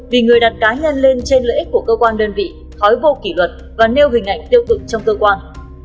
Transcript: vì người đặt cá nhân lên trên lợi ích của cơ quan đơn vị khói vô kỷ luật và nêu hình ảnh tiêu cực trong cơ quan